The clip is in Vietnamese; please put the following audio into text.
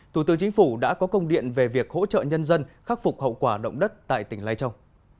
thủ tướng chính phủ đã có công điện về việc hỗ trợ nhân dân khắc phục hậu quả động đất tại tỉnh lai châu